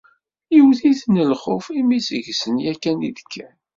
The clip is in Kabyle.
Yewwet-iten lxuf imi seg-sen yakan i d-kkan.